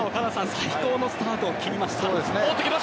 最高のスタートを切りました。